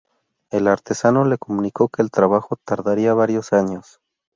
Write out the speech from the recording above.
El artesano le comunicó que el trabajo tardaría varios años.